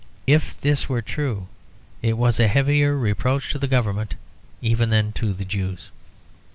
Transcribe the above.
If this were true it was a heavier reproach to the government even than to the Jews.